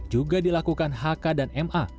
juga dilakukan hk dan ma